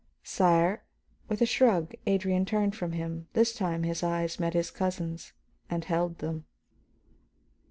"Sire " With a shrug Adrian turned from him; this time his eyes met his cousin's and held them.